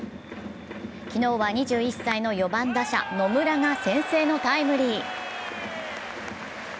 昨日は２１歳の４番打者・野村が先制のタイムリー。